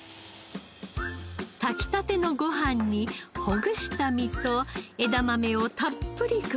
炊きたてのご飯にほぐした身と枝豆をたっぷり加えたら。